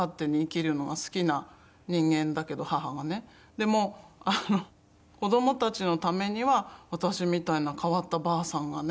「でも子どもたちのためには私みたいな変わったばあさんがね